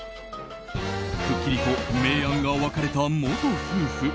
くっきりと明暗が分かれた元夫婦。